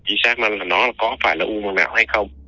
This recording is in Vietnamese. chắc là nó có phải là u bằng đạo hay không